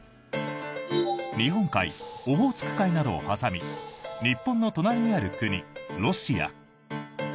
日本海、オホーツク海などを挟み日本の隣にある国、ロシア。